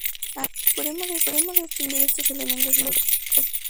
Así, podemos distinguir estos elementos en dos grupos.